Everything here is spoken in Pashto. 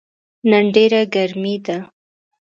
نن ډیره ګرمې ده